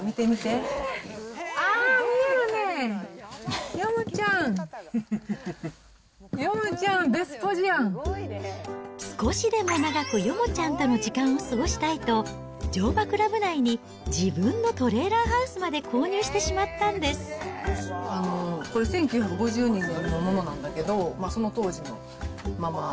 よく見えるね、ヨモちゃん、ヨモちゃん、少しでも長くヨモちゃんとの時間を過ごしたいと、乗馬クラブ内に自分のトレーラーハウスまで購入してしまったんでこれ、１９５２年のものなんだけど、その当時のまま。